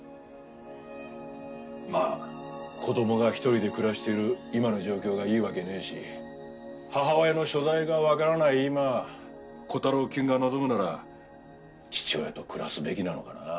まあ子供が１人で暮らしてる今の状況がいいわけねえし母親の所在がわからない今コタローきゅんが望むなら父親と暮らすべきなのかなあ。